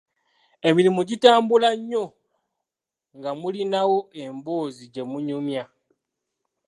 Emirimu gitambula nnyo nga mulinawo emboozi gye munyumya.